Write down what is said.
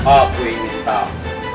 aku ingin tahu